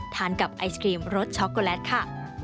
ทานกับไอศกรีมรสช็อกโกแลตค่ะ